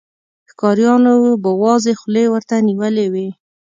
ښکاريانو به وازې خولې ورته نيولې وې.